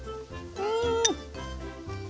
うん！